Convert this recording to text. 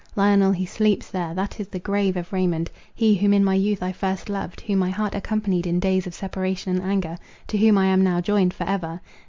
Lionel, he sleeps there; that is the grave of Raymond, he whom in my youth I first loved; whom my heart accompanied in days of separation and anger; to whom I am now joined for ever.